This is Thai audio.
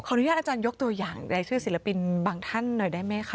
อนุญาตอาจารยกตัวอย่างในชื่อศิลปินบางท่านหน่อยได้ไหมคะ